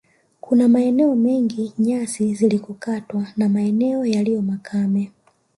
Kuna maeneo mengi nyasi zilikokatwa na maeneo yaliyo makame